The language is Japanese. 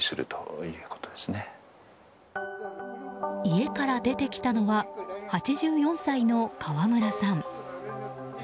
家から出てきたのは８４歳の川村さん。